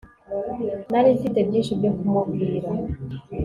nari mfite byinshi byo kumubwira